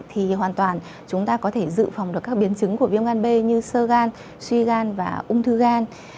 thì hoàn toàn chúng ta có thể dự phòng được các biến chứng của viêm gan b như sơ gan suy gan và ung thư gan